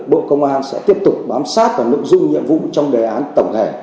bộ công an sẽ tiếp tục bám sát và nộp dụng nhiệm vụ trong đề án tổng hẻ